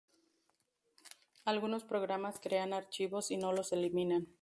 Algunos programas crean archivos y no los eliminan.